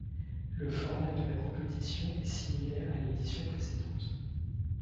Le format de la compétition est similaire à l'édition précédente.